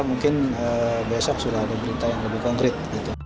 mungkin besok sudah ada berita yang lebih konkret